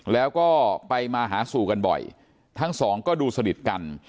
แล้วก็ไปมาหาสู่กันบ่อยทั้งสองก็ดูสนิทกัน